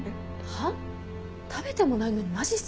はっ？